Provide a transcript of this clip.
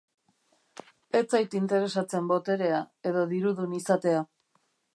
Ez zait interesatzen boterea, edo dirudun izatea.